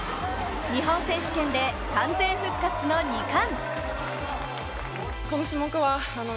日本選手権で、完全復活の２冠。